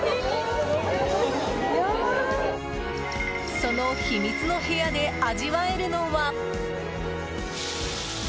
その秘密の部屋で味わえるのは。